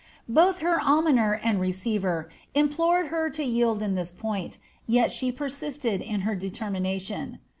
Both her almoner and receiver implored her to yield in this point, vet the persisted in her determination.